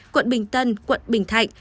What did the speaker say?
quận bình tân quận bình thạnh